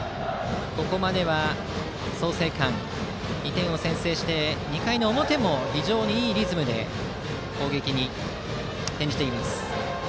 ここまでは創成館２点を先制して２回の表も非常にいいリズムで攻撃に転じています。